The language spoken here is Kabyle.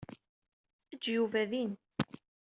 Ejj Yuba din.